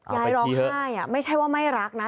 ยายร้องไห้ไม่ใช่ว่าไม่รักนะ